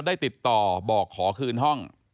ได้ติดต่อบอกขอคืนห้อง